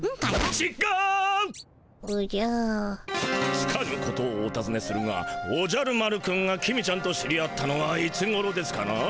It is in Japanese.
つかぬことをおたずねするがおじゃる丸くんが公ちゃんと知り合ったのはいつごろですかな？